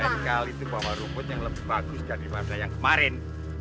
sekali itu bawa rumput yang lebih bagus daripada yang kemarin